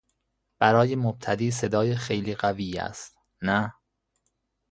برای مبتدی صدا خیلی قوی است، نه؟